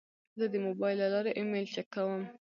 زه د موبایل له لارې ایمیل چک کوم.